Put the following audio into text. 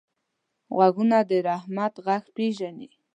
غوږونه د رحمت غږ پېژني